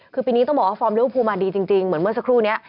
คือปีนี้ต้องบอกว่าฟอร์มลิเวอร์พูลมาดีจริงเหมือนเมื่อสักครู่นี้